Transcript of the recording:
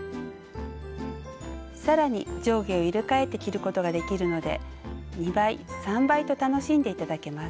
さらに上下を入れ替えて着ることができるので２倍３倍と楽しんでいただけます。